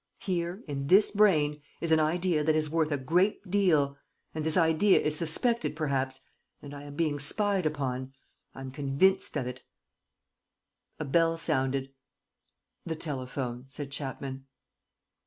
... Here, in this brain, is an idea that is worth a great deal ... and this idea is suspected perhaps ... and I am being spied upon. ... I'm convinced of it. ..." A bell sounded. "The telephone," said Chapman.